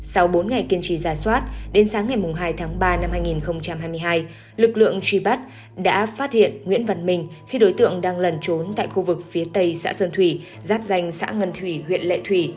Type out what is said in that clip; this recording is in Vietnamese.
sau bốn ngày kiên trì giả soát đến sáng ngày hai tháng ba năm hai nghìn hai mươi hai lực lượng truy bắt đã phát hiện nguyễn văn minh khi đối tượng đang lẩn trốn tại khu vực phía tây xã sơn thủy giáp danh xã ngân thủy huyện lệ thủy